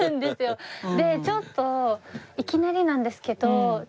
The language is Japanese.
でちょっといきなりなんですけど。